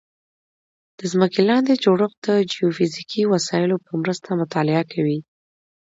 د ځمکې لاندې جوړښت د جیوفزیکي وسایلو په مرسته مطالعه کوي